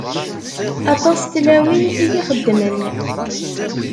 Aṭas n tlawin i t-ixeddmen.